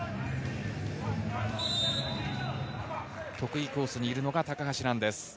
得意コースにいるのが高橋藍です。